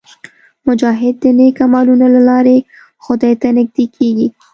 مجاهد د نیک عملونو له لارې خدای ته نږدې کېږي.